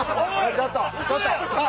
ちょっと！